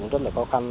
rất là khó khăn